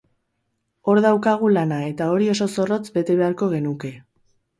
Hor daukagu lana eta hori oso zorrotz bete beharko genuke.